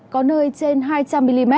có nơi trên hai trăm linh mm